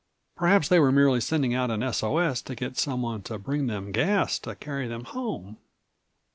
Perhaps they were merely sending out an S. O. S. to get someone to bring them173 gas to carry them home.